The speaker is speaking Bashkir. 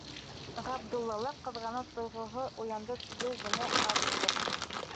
Ғабдуллала ҡыҙғаныу тойғоһо уянды тиеү генә аҙ булыр.